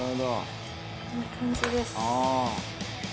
いい感じです。